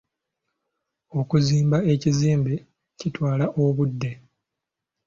Okuzimba ekizimbe kitwala obudde.